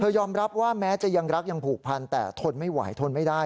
ยอมรับว่าแม้จะยังรักยังผูกพันแต่ทนไม่ไหวทนไม่ได้